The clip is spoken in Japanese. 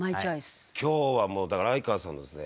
今日はもうだから哀川さんのですね